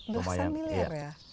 belasan miliar ya